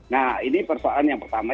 nah ini persoalan yang pertama